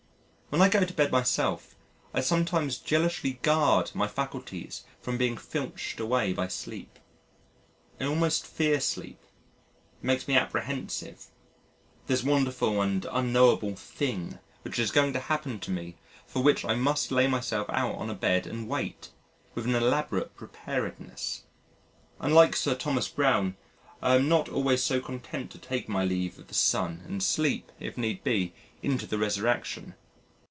When I go to bed myself, I sometimes jealously guard my faculties from being filched away by sleep. I almost fear sleep: it makes me apprehensive this wonderful and unknowable Thing which is going to happen to me for which I must lay myself out on a bed and wait, with an elaborate preparedness. Unlike Sir Thomas Browne, I am not always so content to take my leave of the sun and sleep, if need be, into the resurrection.